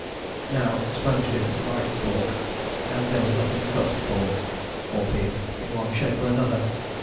Now, Sponge didn't like pork; and there was nothing but pork, or pig in one shape or another.